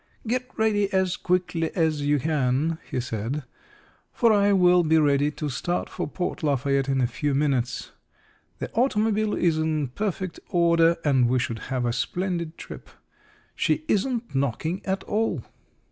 "Get ready as quickly as you can," he said, "for I will be ready to start for Port Lafayette in a few minutes. The automobile is in perfect order, and we should have a splendid trip. She isn't knocking at all."